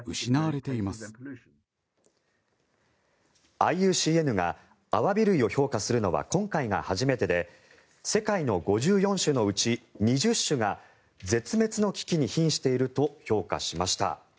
ＩＵＣＮがアワビ類を評価するのは今回が初めてで世界の５４種のうち２０種が絶滅の危機にひんしていると評価しました。